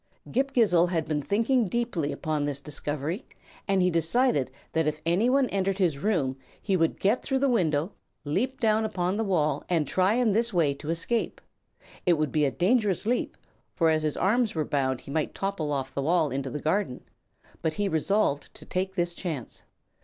Ghip Ghisizzle had been thinking deeply upon this discovery, and he decided that if anyone entered his room he would get through the window, leap down upon the wall and try in this way to escape. It would be a dangerous leap, for as his arms were bound he might topple off the wall into the garden; but he resolved to take this chance.